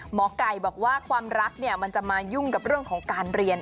หมอไก่บอกว่าความรักมันจะมายุ่งกับเรื่องของการเรียน